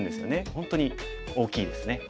本当に大きいですね。